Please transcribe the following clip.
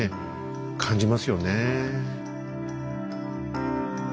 感じますよね。